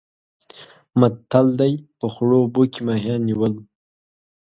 متل دی: په خړو اوبو کې ماهیان نیول.